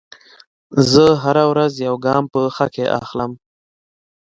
زه هره ورځ یو ګام په ښه کې اخلم.